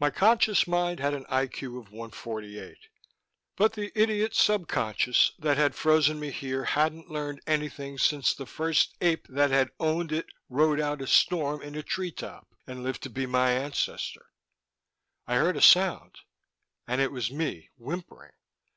My conscious mind had an I.Q. of 148, but the idiot subconscious that had frozen me here hadn't learned anything since the first ape that had owned it rode out a storm in a tree top and lived to be my ancestor.... I heard a sound and it was me, whimpering.